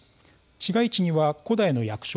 市街地には古代の役所